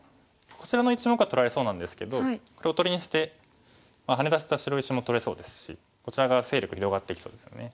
こちらの１目は取られそうなんですけどこれおとりにしてハネ出した白石も取れそうですしこちら側勢力広がっていきそうですよね。